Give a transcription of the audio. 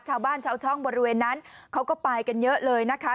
ชาวบ้านชาวช่องบริเวณนั้นเขาก็ไปกันเยอะเลยนะคะ